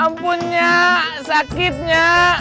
ampun nya sakit nya